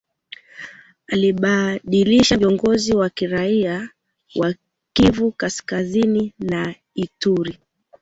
alibadilisha viongozi wa kiraia wa Kivu Kaskazini na Ituri